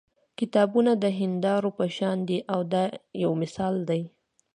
کتابونه د هیندارو په شان دي دا یو مثال دی.